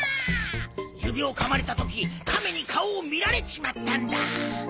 指を噛まれた時亀に顔を見られちまったんだ。